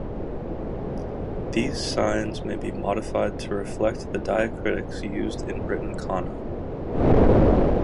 These signs may be modified to reflect the diacritics used in written "kana".